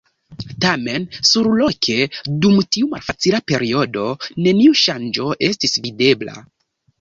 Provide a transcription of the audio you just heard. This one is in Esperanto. Tamen, surloke, dum tiu malfacila periodo, neniu ŝanĝo estis videbla.